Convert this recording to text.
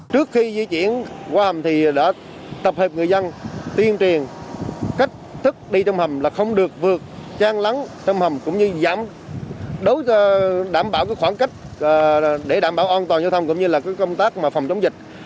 trước khi di chuyển qua hầm thì đã tập hợp người dân tiên triền cách thức đi trong hầm là không được vượt trang lắng trong hầm cũng như giảm đối với đảm bảo khoảng cách để đảm bảo an toàn giao thông cũng như công tác phòng chống dịch